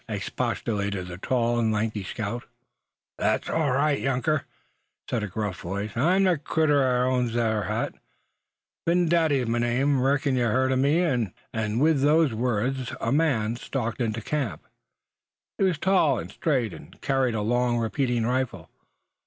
expostulated the tall and lanky scout. "Thet's all right, younker," said a gruff voice, "I'm the critter as owns thet ere hat; Phin Dady's my name. Reckon ye've heard o' me," and with the words a man stalked into the camp. He was tall and straight, and carried a long repeating rifle.